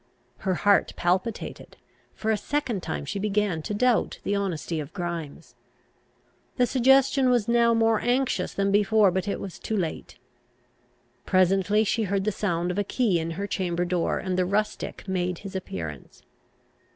Her heart palpitated; for a second time she began to doubt the honesty of Grimes. The suggestion was now more anxious than before; but it was too late. Presently she heard the sound of a key in her chamber door, and the rustic made his appearance.